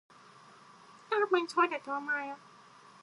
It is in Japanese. たぶん、そうだと思うよ。